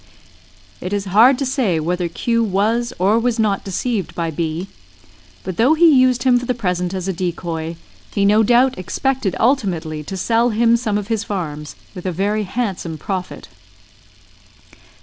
It is hard to say whether Q was or was not deceived by B ; but though he used him for the present as a decoy, he no doubt expected ultimately to sell him some of his farms, with a very handsome profit.